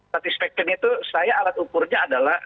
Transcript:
satisfaction itu saya alat ukurnya adalah